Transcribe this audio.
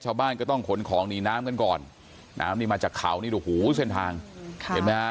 ชาวบ้านก็ต้องขนของหนีน้ำกันก่อนน้ำนี่มาจากเขานี่ดูหูเส้นทางค่ะเห็นไหมฮะ